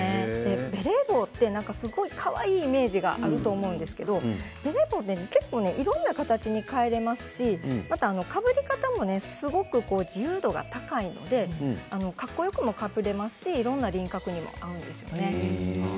ベレー帽って、すごいかわいいイメージがあると思うんですけどベレー帽って結構いろんな形に変えられますしまた、かぶり方もすごく自由度が高いのでかっこよくもかぶれますしいろんな輪郭にも合うんですよね。